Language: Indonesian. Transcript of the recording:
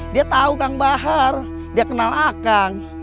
dia tahu kang bahar dia kenal akang